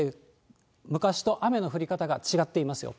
昔と雨の降り方が違っていますよ。